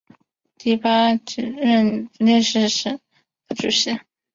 第八任福建省政府主席。